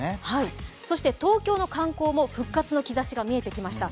そして東京の観光も復活の兆しが見えてきました。